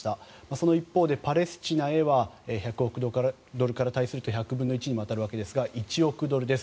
その一方でパレスチナは１００億ドルから対すると１００分の１に当たるわけですが１億ドルです。